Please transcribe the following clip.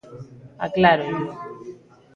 Aclárollo.